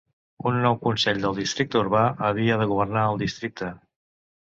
Un nou consell del districte urbà havia de governar el districte.